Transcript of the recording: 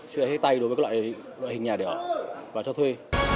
chưa hết tay đối với các loại hình nhà để ở và cho thuê